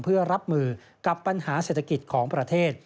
เพื่อรับมือกับปัญหาเศรษฐกิจของประเทศ